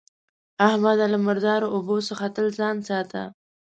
احمده! له مردارو اوبو څخه تل ځان ساته.